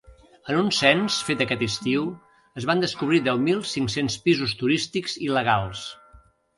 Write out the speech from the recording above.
En un cens fet aquest estiu es van descobrir deu mil cinc-cents pisos turístics il·legals.